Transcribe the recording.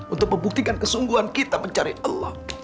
untuk membuktikan kesungguhan kita mencari allah